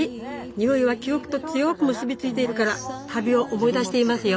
匂いは記憶と強く結び付いているから旅を思い出していますよ！